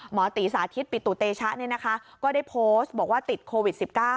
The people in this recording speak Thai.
หมอตีสาธิตปิตุเตชะก็ได้โพสต์บอกว่าติดโควิด๑๙